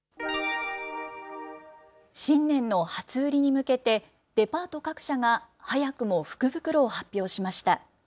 新年の初売りに向けて、デパート各社が早くも福袋を発表しました。